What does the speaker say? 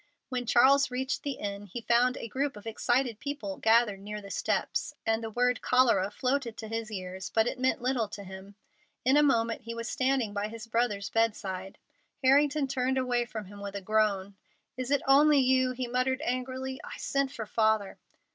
When Charles reached the inn he found a group of excited people gathered near the steps, and the word "cholera" floated to his ears, but it meant little to him. In a moment he was standing by his brother's bedside. Harrington turned away from him with a groan. "Is it only you?" he muttered angrily. "I sent for Father."